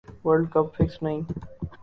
world cup fixed نہی